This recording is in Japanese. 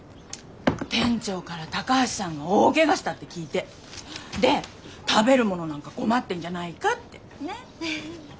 店長から高橋さんが大ケガしたって聞いて！で食べるものなんか困ってんじゃないかってねえ。